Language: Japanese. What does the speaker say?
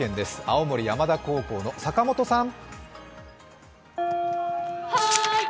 青森山田高校の坂本さん。